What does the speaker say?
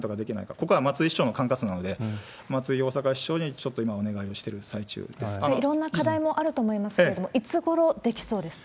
ここは松井市長の管轄なので、松井大阪市長にちょっと今、いろんな課題もあると思いますけれども、いつごろできそうですか？